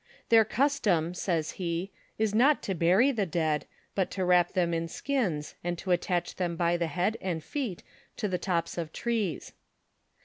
"Their custom," says he, "is not to bury the dead, but to wrap them in skins, and to attach them by the head and feet to the tops of trees."